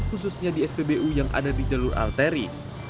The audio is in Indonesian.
khususnya di spbu yang ada di jalur arteri